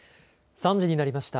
３時になりました。